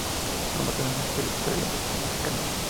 Formato de música grupera y regional mexicana.